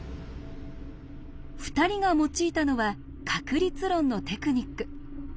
２人が用いたのは確率論のテクニック。